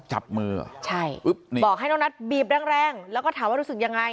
จับมือใช่บอกให้น้องนัสบีบแรงแล้วก็ถามว่ารู้สึกยังไง